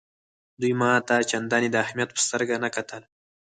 دوی ما ته چنداني د اهمیت په سترګه نه کتل.